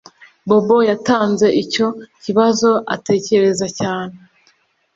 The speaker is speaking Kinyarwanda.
Bobo yatanze icyo kibazo atekereza cyane